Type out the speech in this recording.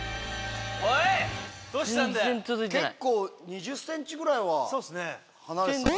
２０ｃｍぐらいは離れてた。